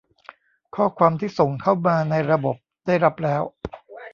ข้อความที่ส่งเข้ามาในระบบได้รับแล้ว